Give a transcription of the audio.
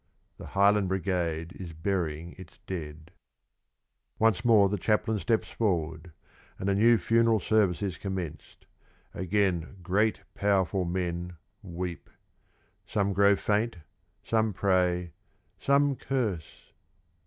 The Highland Brigade is burying its dead. Once more the chaplain steps forward, and a new funeral service is commenced. Again great, powerful men weep. Some grow faint, some pray, some curse.